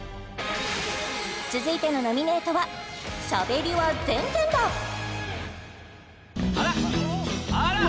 続いてのノミネートはあらっあらっ